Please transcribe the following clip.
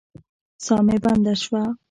ساه مې بنده شوه.